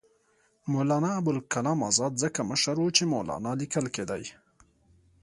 مولنا ابوالکلام آزاد ځکه مشر وو چې مولنا لیکل کېدی.